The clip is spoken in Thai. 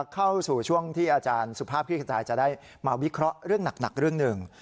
เข้าสู่ช่วงที่อาจารย์สุภาพคลิกขจายจะได้มาวิเคราะห์เรื่องหนักเรื่องหนึ่ง